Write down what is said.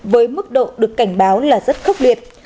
với mức độ được cảnh báo là rất khốc liệt